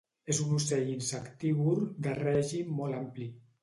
És un ocell insectívor de règim molt ampli.